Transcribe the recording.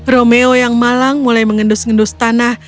romeo yang malang mulai mengendus ngendus tanah